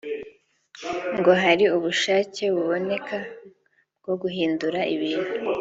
ngo hari ubushake buboneka bwo guhindura ibintu